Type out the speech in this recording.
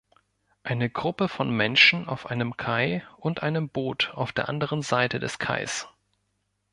Eine Gruppe von Menschen auf einem Kai und einem Boot auf der anderen Seite des Kais.